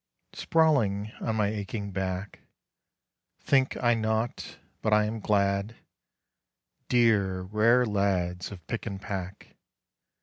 Sprawling on my aching back, Think I nought; but I am glad Dear, rare lads of pick and pack!